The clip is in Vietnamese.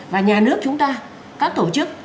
và nhà nước chúng ta các tổ chức